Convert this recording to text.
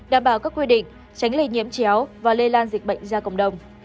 đảm bảo các quy định tránh lây nhiễm chéo và lây lan dịch bệnh ra cộng đồng